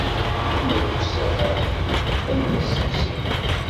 Lemmer uksaneɣ ar n-steqsiɣ.